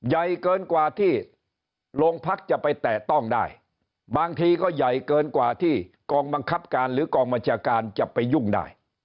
ใหญ่เกินกว่าที่โรงพักจะไปแตะต้องได้บางทีก็ใหญ่เกินกว่าที่กองบังคับการหรือกองบัญชาการจะไปยุ่งได้